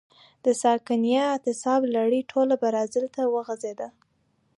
د سکانیا اعتصاب لړۍ ټول برازیل ته وغځېده.